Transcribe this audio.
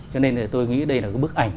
cho nên tôi nghĩ đây là bức ảnh